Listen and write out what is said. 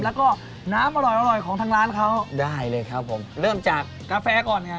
แล้วก็น้ำอร่อยอร่อยของทางร้านเขาได้เลยครับผมเริ่มจากกาแฟก่อนค่ะ